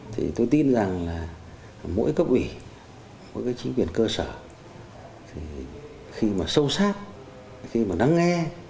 thì tôi tin rằng là mỗi cấp ủy mỗi cái chính quyền cơ sở thì khi mà sâu sát khi mà nắng nghe